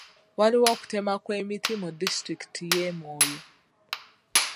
Waliwo okutema kw'emiti mu disitulikiti y'e Moyo.